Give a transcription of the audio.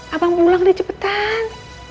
abang pulang deh cepetan